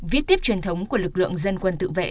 viết tiếp truyền thống của lực lượng dân quân tự vệ